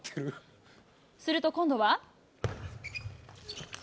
すると今度は。